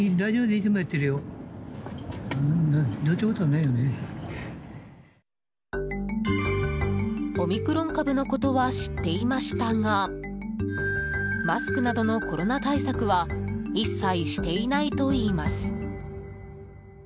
オミクロン株のことは知っていましたがマスクなどのコロナ対策は一切していないといいます。